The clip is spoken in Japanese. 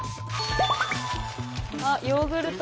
あヨーグルト。